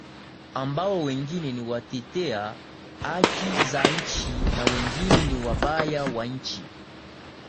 Ambao wengine ni watetea haki za nchi na wengine ni wabaya wa nchi